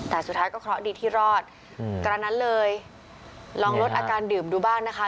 แต่สุดท้ายก็เคราะห์ดีที่รอดกระนั้นเลยลองลดอาการดื่มดูบ้างนะคะ